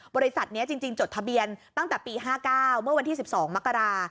บริษัทนี้จริงจดทะเบียนตั้งแต่ปี๕๙เมื่อวันที่๑๒มกรา